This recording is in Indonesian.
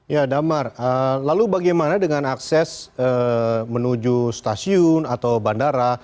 ya damar lalu bagaimana dengan akses menuju stasiun atau bandara